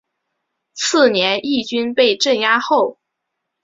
次年义军被镇压后。